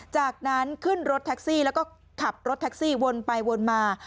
จากนั้นขึ้นรถแท็กซี่แล้วก็ขับรถแท็กซี่วนไปวนมา